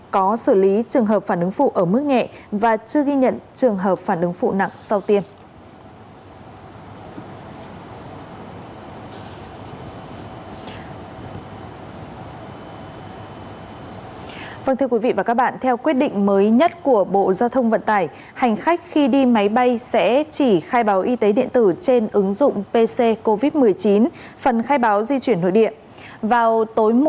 có xử lý trường hợp phản ứng phụ ở mức nghẹ và chưa ghi nhận trường hợp phản ứng phụ nặng sau tiêm